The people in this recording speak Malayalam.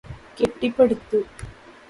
കെട്ടിപ്പടുത്തു